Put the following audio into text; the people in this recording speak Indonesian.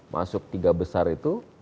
masuk tiga besar itu